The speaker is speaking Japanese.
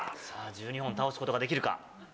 さぁ１２本倒すことができるか。